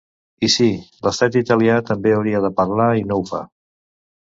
I sí, l’estat italià també hauria de parlar i no ho fa.